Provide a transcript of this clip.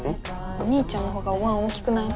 お兄ちゃんのほうがおわん大きくない？